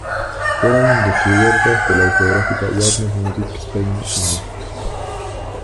Fueron descubiertas por la discográfica Warner Music Spain y Must!